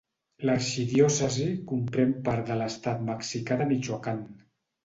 L'arxidiòcesi comprèn part de l'estat mexicà de Michoacán.